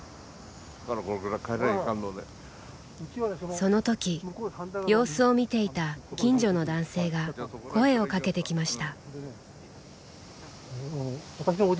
その時様子を見ていた近所の男性が声をかけてきました。